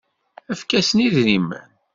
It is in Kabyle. Efk-asen idrimen.